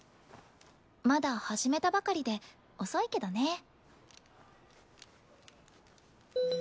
まだ始めたばかりで遅いけどね。